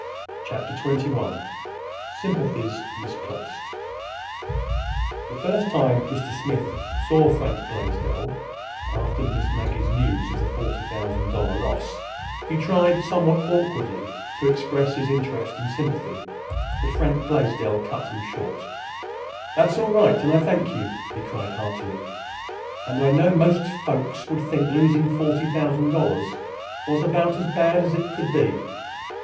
CHAPTER XXI SYMPATHIES MISPLACED The first time Mr. Smith saw Frank Blaisdell, after Miss Maggie's news of the forty thousand dollar loss, he tried, somewhat awkwardly, to express his interest and sympathy. But Frank Blaisdell cut him short. "That's all right, and I thank you," he cried heartily. "And I know most folks would think losing forty thousand dollars was about as bad as it could be.